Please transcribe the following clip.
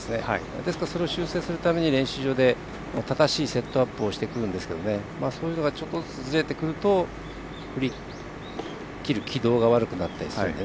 ですから、それを修正するために練習場で正しいセットアップをしてくるんですけどそういうのがちょっとずつ、ずれてくると振り切る軌道が悪くなったりするので。